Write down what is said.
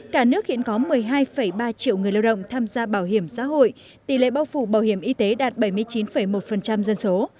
cả nước hiện có một mươi hai ba triệu người lao động tham gia bảo hiểm xã hội tỷ lệ bao phủ bảo hiểm y tế đạt bảy mươi chín một dân số